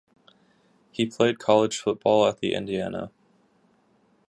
He played college football at the Indiana.